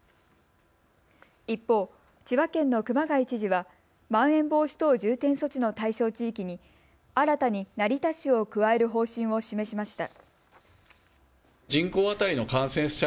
一方、千葉県の熊谷知事はまん延防止等重点措置の対象地域に新たに成田市を加える方針を示しました。